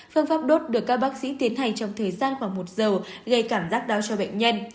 phương pháp đốt được các bác sĩ tiến hành trong thời gian khoảng một giờ gây cảm giác đau cho bệnh nhân